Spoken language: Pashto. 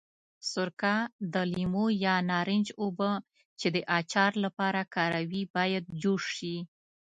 سرکه، د لیمو یا نارنج اوبه چې د اچار لپاره کاروي باید جوش شي.